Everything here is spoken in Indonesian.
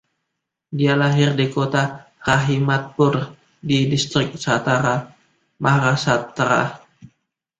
Dia lahir di kota Rahimatpur di Distrik Satara, Maharashtra.